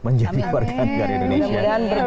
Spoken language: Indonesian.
menjadi warga negara indonesia